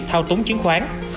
thao túng chiến khoán